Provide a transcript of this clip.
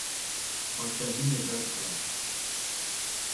پاچهي مې درکړه.